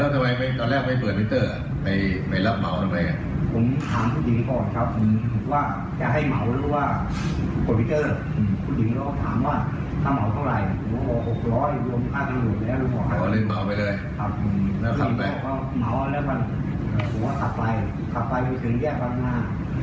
ก็มาว่าเรียกว่าผมว่าขับไปขับไปไปถึงแยกบัตรหน้า